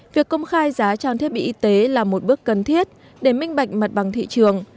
việc công khai giá trang thiết bị y tế là một bước cần thiết để minh bạch mặt bằng thị trường